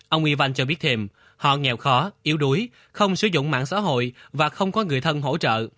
ông y van cho biết thêm họ nghèo khó yếu đuối không sử dụng mạng xã hội và không có người thân hỗ trợ